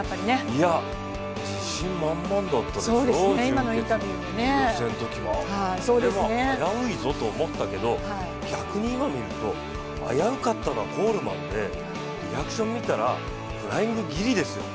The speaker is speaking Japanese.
いや、自信満々だったですよ予選のときも、危ういぞと思ったけど、逆に今見ると、危うかったのはコールマンでリアクション見たらフライングギリですよ。